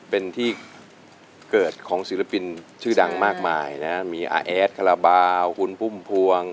เป็นที่เกิดของศิลปินชื่อดังมากมายนะมีอาแอดคาราบาลคุณพุ่มพวง